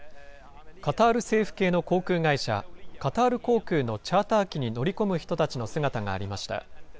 カタール政府系の航空会社、カタール航空のチャーター機に乗り込む人たちの姿がありました。